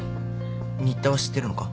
新田は知ってるのか？